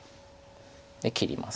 で切ります。